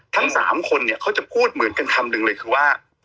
ทั้ง๓คนเนี่ยเขาจะพูดเหมือนกันคำหนึ่งเลยคือว่า